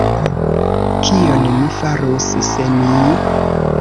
Kion mi farus, se mi…